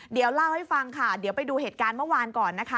เดี๋ยวเล่าให้ฟังค่ะเดี๋ยวไปดูเหตุการณ์เมื่อวานก่อนนะคะ